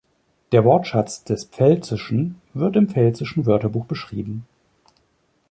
Der Wortschatz des Pfälzischen wird im Pfälzischen Wörterbuch beschrieben.